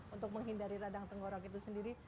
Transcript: untuk menghindari radang tenggorok itu sendiri